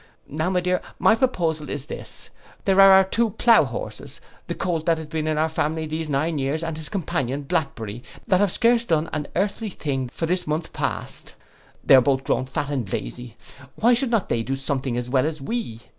Now, my dear, my proposal is this: there are our two plow horses, the Colt that has been in our family these nine years, and his companion Blackberry, that have scarce done an earthly thing for this month past. They are both grown fat and lazy. Why should not they do something as well as we?